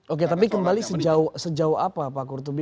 oke tapi kembali sejauh apa pak kurtubi